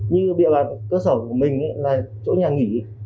như địa bàn cơ sở của mình là chỗ nhà nghỉ